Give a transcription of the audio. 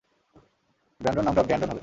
Brandon, নামটা Brandon হবে?